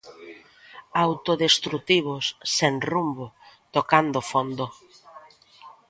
Autodestrutivos, sen rumbo, tocando fondo.